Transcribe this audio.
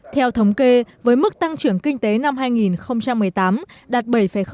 theo thống kê với mức tăng trưởng kinh tế năm hai nghìn một mươi tám đạt bảy tám